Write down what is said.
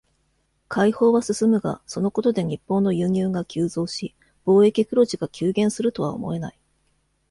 開放は進むが、そのことで、日本の輸入が急増し、貿易黒字が急減するとは思えない。